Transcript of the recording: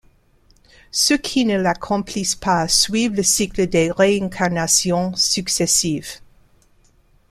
Ceux qui ne l'accomplissent pas suivent le cycle des réincarnations successives.